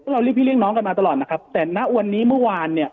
เราเรียกพี่เลี่ยน้องกันมาตลอดนะครับแต่ณวันนี้เมื่อวานเนี่ย